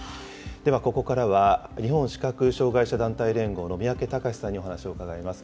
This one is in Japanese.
ではここからは、日本視覚障害者団体連合の三宅隆さんにお話を伺います。